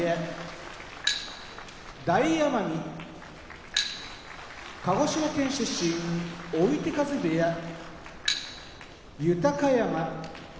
大奄美鹿児島県出身追手風部屋豊山新潟県出身